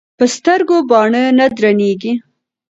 ـ په سترګو باڼه نه درنېږي.